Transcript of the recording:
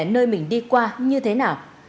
nơi mình đi qua như thế nào